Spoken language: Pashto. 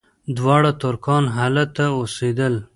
دواړه ترکان هلته اوسېدل.